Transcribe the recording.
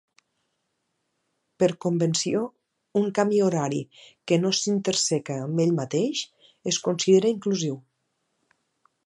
Per convenció, un camí horari que no s'interseca amb ell mateix es considera inclusiu.